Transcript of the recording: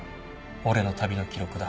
「俺の旅の記録だ」